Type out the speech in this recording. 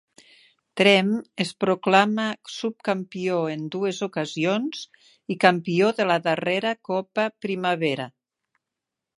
Tremp es proclama subcampió en dues ocasions i campió de la darrera Copa Primavera.